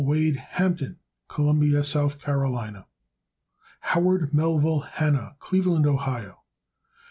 Wade Hampton, Columbia, S. C. Howard Melville Hanna, Cleveland, Ohio.